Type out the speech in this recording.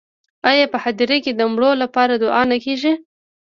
آیا په هدیره کې د مړو لپاره دعا نه کیږي؟